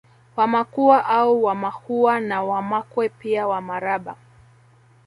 Wamakua au Wamakhuwa na Wamakwe pia Wamaraba